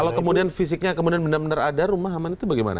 kalau kemudian fisiknya kemudian benar benar ada rumah aman itu bagaimana